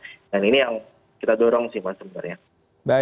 ini yang kita dorong sih mas sebenarnya